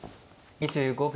２５秒。